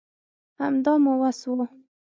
همدا مو وس وو